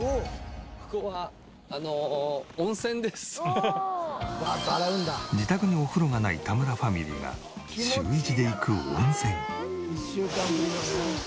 ここは自宅にお風呂がない田村ファミリーが週１で行く温泉。